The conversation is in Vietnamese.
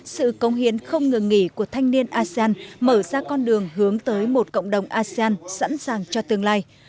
sự công hiến không ngừng nghỉ của thanh niên asean mở ra con đường hướng tới một cộng đồng asean sẵn sàng cho tương lai